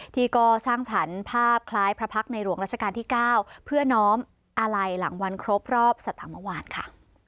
ที่ก็สร้างฉันภาพคล้ายพระพักษณ์ในหลวงรัชกาลที่เก้าเพื่อน้องอะไรหลังวันครบรอบสตางค์เมื่อวานค่ะ